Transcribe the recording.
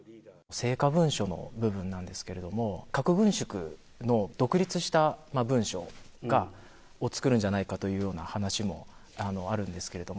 成果文書の部分なんですけれども、核軍縮の独立した文書を作るんじゃないかというような話もあるんですけれども。